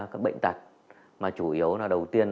các bệnh tật mà chủ yếu là đầu tiên